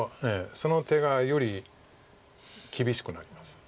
その手がより厳しくなります。